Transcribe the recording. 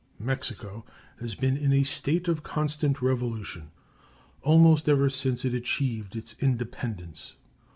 Mexico has been in a state of constant revolution almost ever since it achieved its independence.